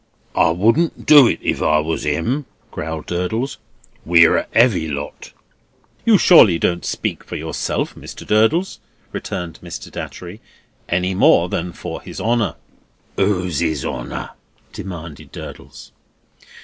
"I wouldn't do it if I was him," growled Durdles. "We're a heavy lot." "You surely don't speak for yourself, Mr. Durdles," returned Mr. Datchery, "any more than for His Honour." "Who's His Honour?" demanded Durdles.